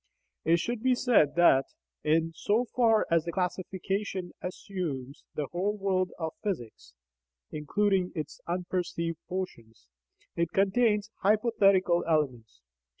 It should be said that, in so far as the classification assumes the whole world of physics (including its unperceived portions), it contains hypothetical elements.